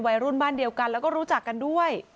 วัยรุ่นบ้านเดียวกันแล้วก็รู้จักกันด้วย